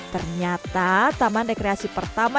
ternyata taman rekreasi pertama